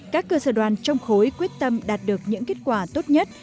các cơ sở đoàn trong khối quyết tâm đạt được những kết quả tốt nhất